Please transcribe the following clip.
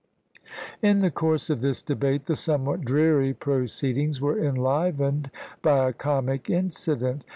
In the course of this debate the somewhat dreary proceedings were enlivened by a comic incident.